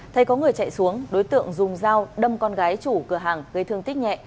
thấy có người chạy xuống đối tượng dùng dao đâm con gái chủ cửa hàng gây thương tích nhẹ